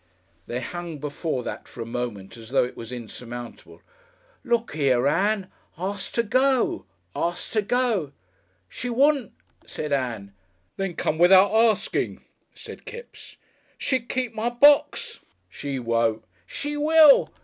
They hung before that for a moment as though it was insurmountable. "Look 'ere, Ann! Arst to go. Arst to go!" "She wouldn't," said Ann. "Then come without arsting," said Kipps. "She's keep my box " "She won't." "She will."